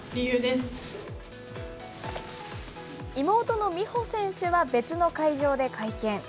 妹の美帆選手は別の会場で会見。